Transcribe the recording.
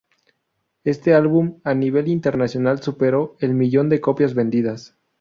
Este álbum a nivel internacional superó el millón de copias vendidas.